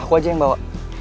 aku aja yang bawa